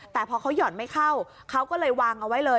แต่พอเขาห่อนไม่เข้าเขาก็เลยวางเอาไว้เลย